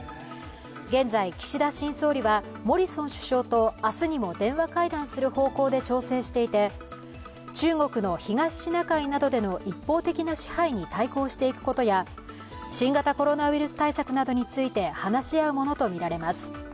現在、岸田新総理はモリソン首相と明日にも電話会談する方向で調整していて中国の東シナ海などでの一方的な支配に対抗していくことや、新型コロナウイルス対策などについて話し合うものとみられます。